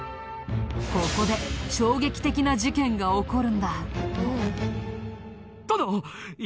ここで衝撃的な事件が起こるんだ。